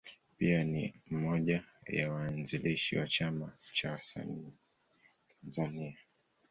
Pia ni mmoja ya waanzilishi wa Chama cha Wasanii Tanzania.